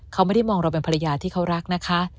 เขาไม่ได้มองเราเป็นภรรยาที่เขารักนะคะ